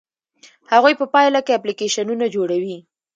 هغوی په پایله کې اپلیکیشنونه جوړوي.